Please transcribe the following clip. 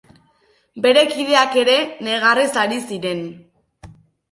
Bere kideak ere negarrez ari ziren.